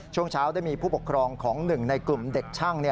ช่วงเช้าได้มีผู้ปกครองของหนึ่งในกลุ่มเด็กช่าง